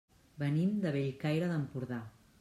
Venim de Bellcaire d'Empordà.